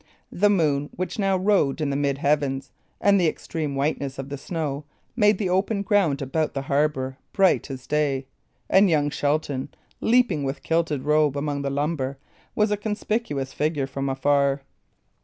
The moon, which now rode in the mid heavens, and the extreme whiteness of the snow, made the open ground about the harbour bright as day; and young Shelton leaping, with kilted robe, among the lumber, was a conspicuous figure from afar.